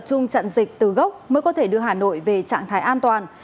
chung trận dịch từ gốc mới có thể đưa hà nội về trạng thái an toàn